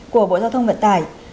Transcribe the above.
của bộ giao thông vận tải